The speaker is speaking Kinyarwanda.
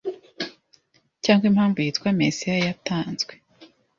cyangwa Impamvu yitwa Mesiya yatanzwe